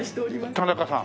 田中さん。